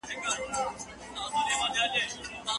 مهرباني وکړئ او دا دروازه د ټولو پر مخ خلاصه پرېږدئ.